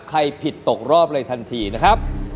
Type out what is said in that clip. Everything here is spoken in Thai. ผิดตกรอบเลยทันทีนะครับ